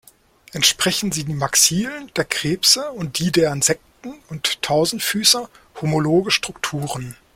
Entsprechend sind die Maxillen der Krebse und die der Insekten und Tausendfüßer homologe Strukturen.